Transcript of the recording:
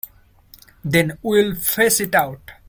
Then we'll face it out.